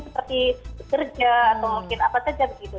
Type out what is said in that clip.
seperti bekerja atau mungkin apa saja begitu